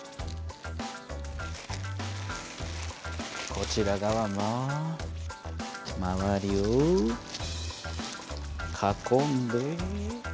こちら側もまわりを囲んで。